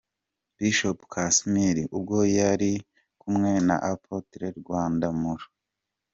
Bishop Casmir ubwo yari kumwe na Apotre Rwandamura.